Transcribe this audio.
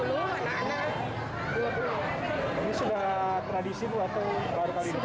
ini sudah tradisi bu atau baru kali ini